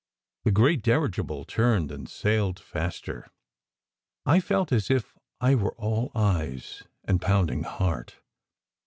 The great dirigible turned and sailed faster. I felt as if I were all eyes and pounding heart.